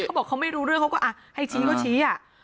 เขาบอกเขาไม่รู้เรื่องเขาก็ให้ชี้ก็ชี้